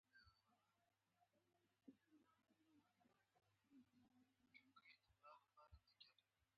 دا آخذه په پوستکي او غوږ کې ځای لري.